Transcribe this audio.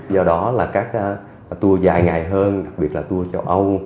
do đó là các tour dài ngày hơn đặc biệt là tour châu âu